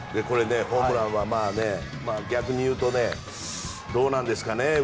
これでホームランは逆に言うと、どうなんですかね。